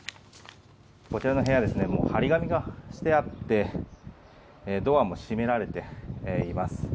こちらの部屋貼り紙がしてあってドアも閉められています。